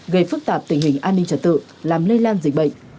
gây phức tạp tình hình an ninh trật tự làm lây lan dịch bệnh